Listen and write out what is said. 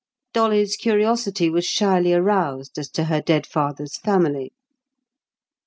Dolly's curiosity was shyly aroused as to her dead father's family.